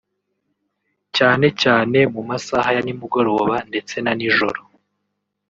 cyane cyane mu masaha ya nimugoroba ndetse na nijoro